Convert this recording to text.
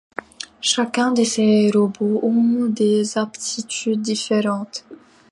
Chacun de ces robots ont des aptitudes différentes.